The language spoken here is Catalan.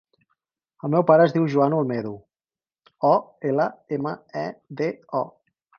El meu pare es diu Joan Olmedo: o, ela, ema, e, de, o.